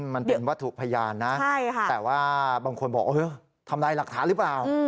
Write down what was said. มันเป็นวัตถุพยานนะแต่ว่าบางคนบอกทำลายหลักฐานหรือเปล่า